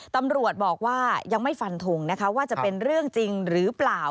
ตำรวจบอกว่ายังไม่ฟันทงนะคะว่าจะเป็นเรื่องจริงหรือเปล่า